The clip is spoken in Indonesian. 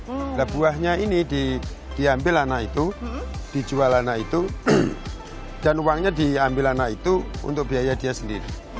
nah buahnya ini diambil anak itu dijual anak itu dan uangnya diambil anak itu untuk biaya dia sendiri